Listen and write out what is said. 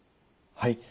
はい。